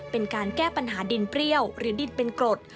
เป็นการแก้ปัญหาดินเปรี้ยวหรือดินเป็นกรด